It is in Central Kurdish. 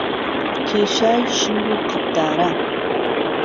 کێشای شیر وقهدداره